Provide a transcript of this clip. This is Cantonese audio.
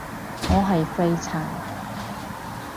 我係廢柴